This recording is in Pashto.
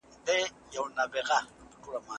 د غالب دیوان په هندوستان کې وڅېړل سو.